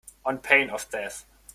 On pain of death.